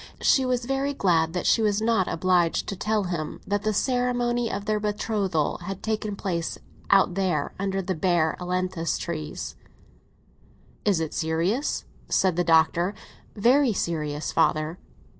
She was very glad that she was not obliged to tell him that the ceremony of their betrothal had taken place out there under the bare ailantus trees. "Is it serious?" said the Doctor. "Very serious, father."